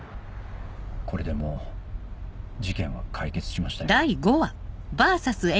これでもう事件は解決しましたよ。